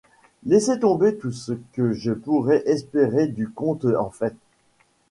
Laisser tomber tout ce que je pourrais espérer du conte en fait.